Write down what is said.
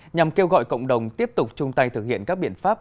nhằm kêu gọi cộng đồng tiếp tục chung tay thực hiện các biện pháp